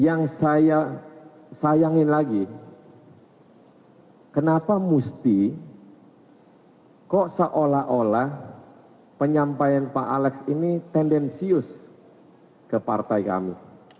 yang saya sayangin lagi kenapa mesti kok seolah olah penyampaian pak alex ini tendensius ke partai kami